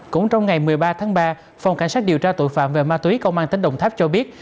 cũng trong ngày một mươi ba tháng ba phòng cảnh sát điều tra tội phạm về ma túy công an tỉnh đồng tháp cho biết